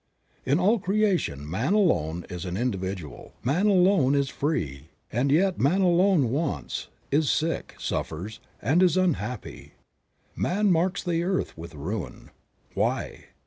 In all creation, man alone is an individual ; man alone is free ; and yet man alone wants, is sick, suffers, and is unhappy. "Man marks the earth with ruin"; why?